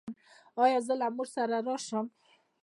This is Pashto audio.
ایا زه له مور سره راشم؟